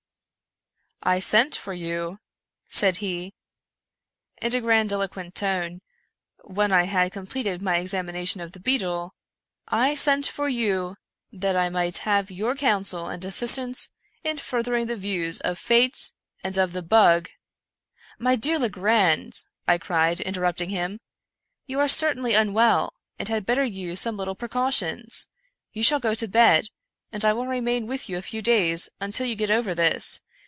" I sent for you," said he, in a grandiloquent tone, when I had completed my examination of the beetle, " I sent for you that I might have your counsel and assistance in fur thering the views of Fate and of the bug "" My dear Legrand," I cried, interrupting him, " you are certainly unwell, and had better use some little precau tions. You shall go to bed, and I will remain with you a few davs, until you get over this.